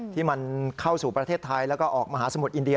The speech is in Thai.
ที่มันเข้าสู่ประเทศไทยแล้วก็ออกมหาสมุทรอินเดีย